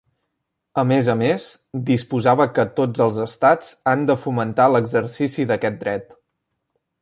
A més a més, disposava que tots els estats han de fomentar l'exercici d'aquest dret.